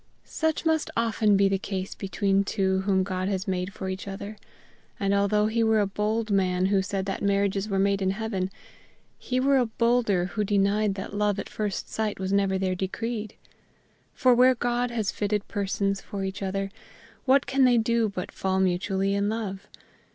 Such must often be the case between two whom God has made for each other. And although he were a bold man who said that marriages were made in heaven, he were a bolder who denied that love at first sight was never there decreed. For where God has fitted persons for each other, what can they do but fall mutually in love?